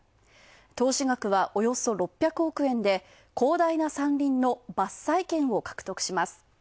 投資額は、およそ６００億円で、広大な山林の伐採権を獲得します。